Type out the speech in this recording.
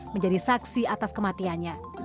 menjadi saksi atas kematian